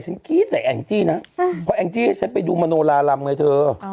กรี๊ดใส่แองจี้นะเพราะแองจี้ให้ฉันไปดูมโนลารำไงเธอ